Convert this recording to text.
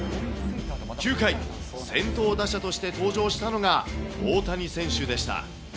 ９回、先頭打者として登場したのが、大谷選手でした。